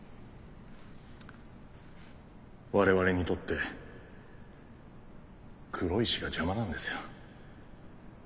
我々にとって黒石が邪魔なんですよ。